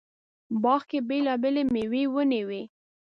باغ کې بېلابېلې مېوې ونې وې.